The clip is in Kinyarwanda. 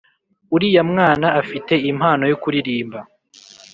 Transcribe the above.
Uriya mwana afite impano yo kuririmba